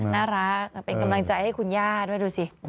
น่ารักเป็นกำลังใจให้คุณย่าด้วยดูสิ